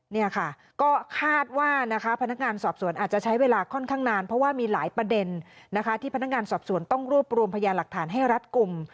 นี่ค่ะก็คาดว่านะคะพนักงานสอบสวนอาจจะใช้เวลาค่อนข้างนานเพราะว่ามีหลายประเด็นนะคะที่พนักงานสอบสวนต้องรวบรวมพยาหลักฐานให้รัฐกลุ่ม